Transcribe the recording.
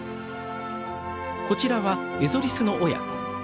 こちらはエゾリスの親子。